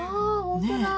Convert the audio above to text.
ねえ！